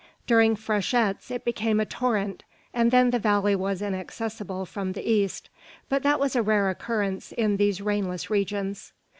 During freshets it became a torrent; and then the valley was inaccessible from the east, but that was a rare occurrence in these rainless regions.